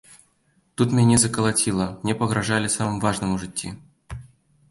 Тут мяне закалаціла, мне пагражалі самым важным у жыцці.